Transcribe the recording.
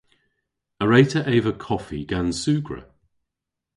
A wre'ta eva koffi gans sugra?